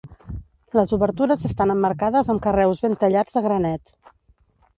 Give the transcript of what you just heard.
Les obertures estan emmarcades amb carreus ben tallats de granet.